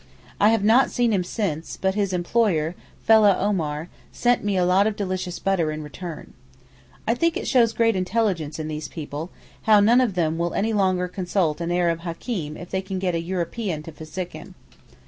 I have not seen him since, but his employer, fellah Omar, sent me a lot of delicious butter in return. I think it shows great intelligence in these people, how none of them will any longer consult an Arab hakeem if they can get a European to physic them.